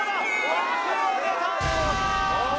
枠を出たー！